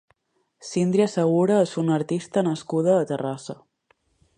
Síndria Segura és una artista nascuda a Terrassa.